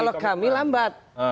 kalau kami lambat